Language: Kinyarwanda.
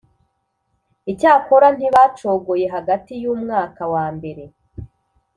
Icyakora ntibacogoye Hagati y umwaka wa mbere